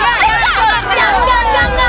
jangan jangan jangan